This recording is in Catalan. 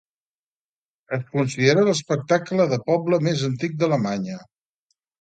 Es considera l'espectacle de poble més antic d'Alemanya.